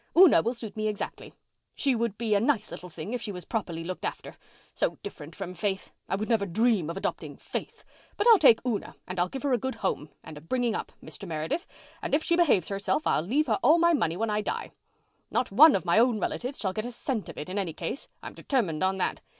Una will suit me exactly. She would be a nice little thing if she was properly looked after—so different from Faith. I would never dream of adopting Faith. But I'll take Una and I'll give her a good home, and up bringing, Mr. Meredith, and if she behaves herself I'll leave her all my money when I die. Not one of my own relatives shall have a cent of it in any case, I'm determined on that.